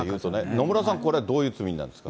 野村さん、これ、どういう罪になるんですか。